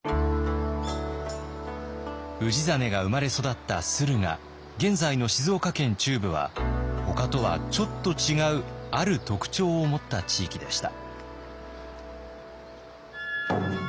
氏真が生まれ育った駿河現在の静岡県中部はほかとはちょっと違うある特徴を持った地域でした。